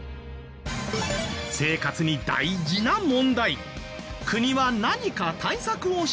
生活に大事な問題。